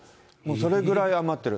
それぐらい余ってる。